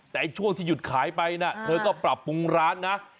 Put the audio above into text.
แต่ช่วงที่หยุดขายไปนะเธอก็ปรับปรุงร้านนะ